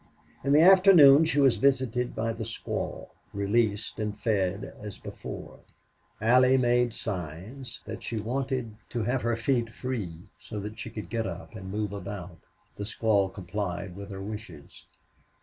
In the afternoon she was visited by the squaw, released and fed as before. Allie made signs that she wanted to have her feet free, so that she could get up and move about. The squaw complied with her wishes.